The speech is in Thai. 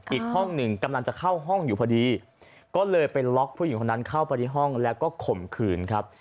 อีกห้องหนึ่งกำลังจะเข้าห้องอยู่พอดีก็เลยไปล็อกผู้หญิงคนนั้นเข้าไปที่ห้องแล้วก็ข่มขืนครับ